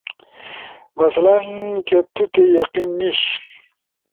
مثال، کہ تو تے یقین نیِش؟